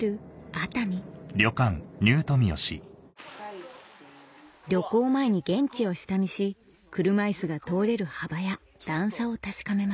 熱海旅行前に現地を下見し車いすが通れる幅や段差を確かめます